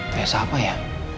tes apa ya